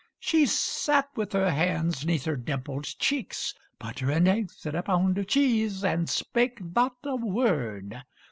She sat with her hands 'neath her dimpled cheeks, (Butter and eggs and a pound of cheese) And spake not a word.